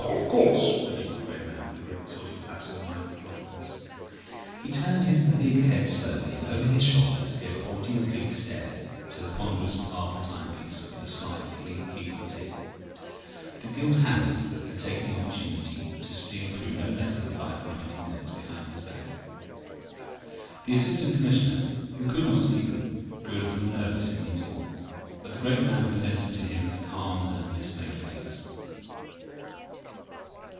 "Of course," repeated the great man, with a sort of absent minded loftiness. He turned his big head slowly, and over his shoulder gave a haughty oblique stare to the ponderous marble timepiece with the sly, feeble tick. The gilt hands had taken the opportunity to steal through no less than five and twenty minutes behind his back. The Assistant Commissioner, who could not see them, grew a little nervous in the interval. But the great man presented to him a calm and undismayed face.